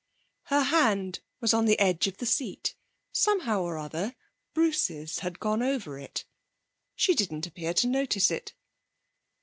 Her hand was on the edge of the seat. Somehow or other Bruce's had gone over it. She didn't appear to notice it.